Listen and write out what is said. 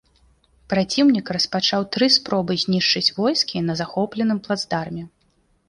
Праціўнік распачаў тры спробы знішчыць войскі на захопленым плацдарме.